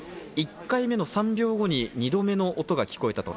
１回目の３秒後に２度目の音が聞こえたと。